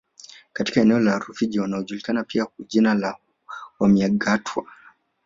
Katika eneo la Rufiji wanajulikana pia kwa jina la Wamyagatwa